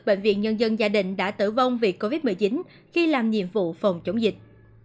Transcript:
bệnh viện nhân dân gia đình đã tử vong vì covid một mươi chín khi làm nhiệm vụ phòng chống dịch